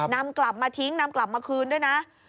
นำกลับมาทิ้งนำกลับมาคืนด้วยนะ